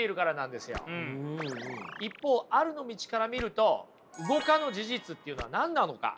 一方あるの道から見ると動かぬ事実っていうのは何なのか？